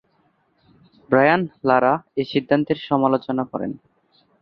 Brian Lara এ সিদ্ধান্তের সমালোচনা করেন।